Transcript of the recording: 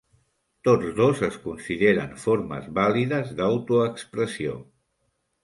Tots dos es consideren formes vàlides d'autoexpressió.